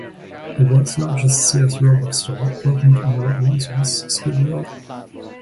The world's largest Sears Roebuck store opened on what once was skid row.